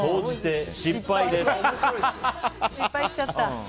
失敗しちゃった。